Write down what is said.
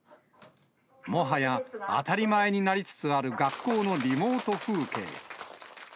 もはや、当たり前になりつつある学校のリモート風景。